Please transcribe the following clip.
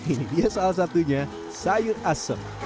ini dia salah satunya sayur asem